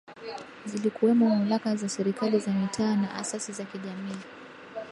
Zilikuwemo Mamlaka za Serikali za Mitaa na Asasi za Kijamii